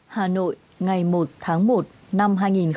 hà nội ngày một tháng một năm hai nghìn hai mươi